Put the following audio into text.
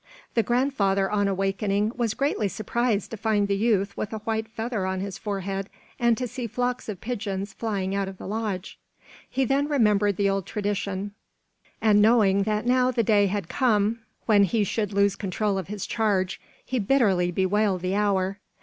The grandfather on awakening was greatly surprised to find the youth with a white feather on his forehead, and to see flocks of pigeons flying out of the lodge. He then remembered the old tradition, and knowing that now the day had come when he should lose control of his charge, he bitterly bewailed the hour.